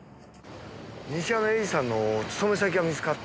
西山英司さんの勤め先が見つかった。